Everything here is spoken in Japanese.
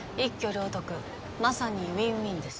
両得まさにウィンウィンです